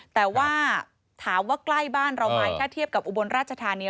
แต่ว่าถามว่าใกล้บ้านเราไหมถ้าเทียบกับอุบลราชธานี